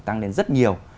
tăng lên rất nhiều